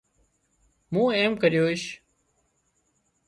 مُون ايم ڪريوش